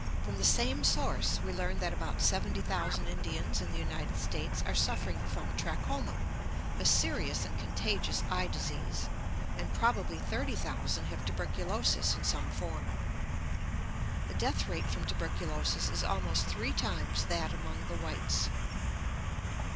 From the same source we learn that about 70,000 Indians in the United States are suffering from trachoma, a serious and contagious eye disease, and probably 30,000 have tuberculosis in some form. The death rate from tuberculosis is almost three times that among the whites.